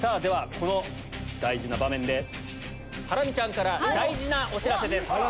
この大事な場面でハラミちゃんから大事なお知らせです。